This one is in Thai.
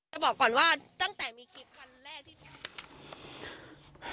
บอกก่อนว่าตั้งแต่มีคลิปวันแรกที่มี